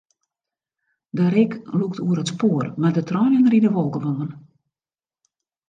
De reek lûkt oer it spoar, mar de treinen ride wol gewoan.